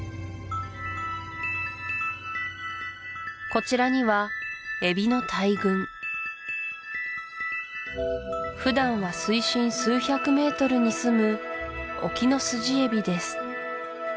こちらにはエビの大群普段は水深数百メートルにすむオキノスジエビです